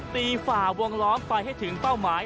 ฝ่าวงล้อมไปให้ถึงเป้าหมาย